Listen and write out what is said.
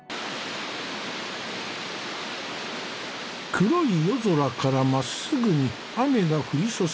黒い夜空からまっすぐに雨が降り注いでいる。